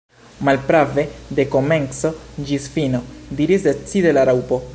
"Malprave, de komenco ĝis fino," diris decide la Raŭpo.